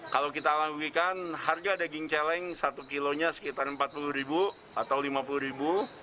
kalau kita lakukan harga daging celeng satu kg nya sekitar rp empat puluh atau rp lima puluh